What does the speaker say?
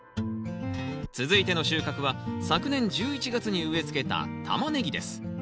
続いての収穫は昨年１１月に植えつけたタマネギです。